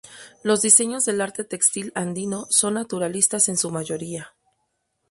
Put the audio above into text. Los diseños del arte textil andino son naturalistas en su mayoría.